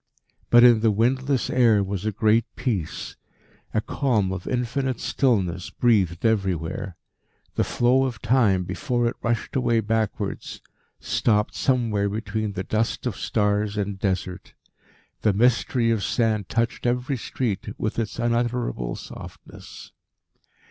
But in the windless air was a great peace. A calm of infinite stillness breathed everywhere. The flow of Time, before it rushed away backwards, stopped somewhere between the dust of stars and Desert. The mystery of sand touched every street with its unutterable softness.